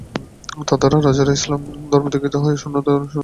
তাতার রাজারা ইসলাম ধর্মে দীক্ষিত হয় এবং সুন্নত অনুসারে জীবন যাপনে প্রয়াসী হয়।